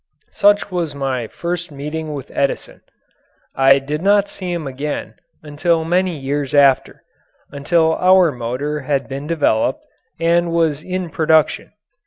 Such was my first meeting with Edison. I did not see him again until many years after until our motor had been developed and was in production.